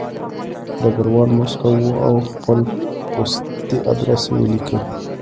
ډګروال موسک و او خپل پستي ادرس یې ولیکه